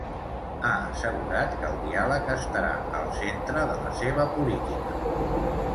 Ha assegurat que el diàleg estarà al centre de la seva política.